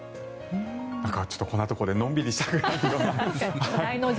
ちょっとこんなところでのんびりしたいななんて。